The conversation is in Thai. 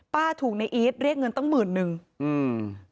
ถูกในอีทเรียกเงินตั้งหมื่นนึงอืม